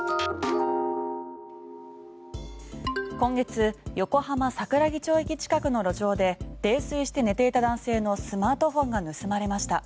今月、横浜・桜木町駅近くの路上で泥酔して寝ていた男性のスマートフォンが盗まれました。